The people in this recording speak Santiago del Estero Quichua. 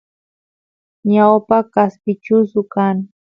ñawpa kaspi chusu kan